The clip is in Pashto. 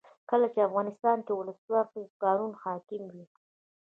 کله چې افغانستان کې ولسواکي وي قانون حاکم وي.